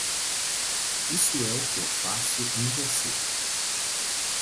Isso é o que eu faço em você.